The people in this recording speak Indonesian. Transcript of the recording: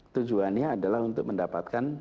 tujuannya adalah untuk mendapatkan